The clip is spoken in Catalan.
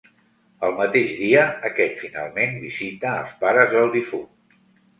El mateix dia, aquest finalment visita als pares del difunt.